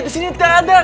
pak siti pak siti